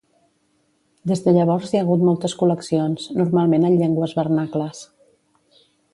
Des de llavors hi ha hagut moltes col·leccions, normalment en llengües vernacles.